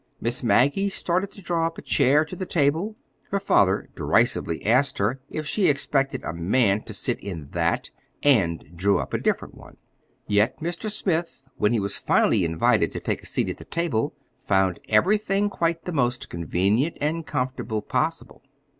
Miss Maggie started to draw up a chair to the table: her father derisively asked her if she expected a man to sit in that—and drew up a different one. Yet Mr. Smith, when he was finally invited to take a seat at the table, found everything quite the most convenient and comfortable possible.